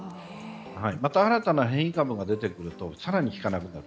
また、新たな変異株が出てくると更に効かなくなる。